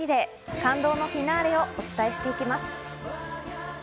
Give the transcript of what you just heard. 感動のフィナーレをお伝えしていきます。